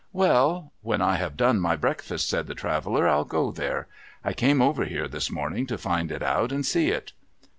' Well ! ^Vhen I have done my breakfast,' said the Traveller, ' I'll go there. I came over here this morning, to find it out and see it.'